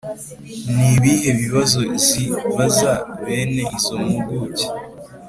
Nibihe bibazo zibaza bene izo mpuguke